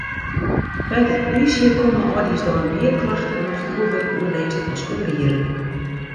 By de polysje komme âldjiersdei mear klachten oer fjoerwurkoerlêst as oare jierren.